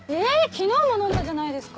昨日も飲んだじゃないですか。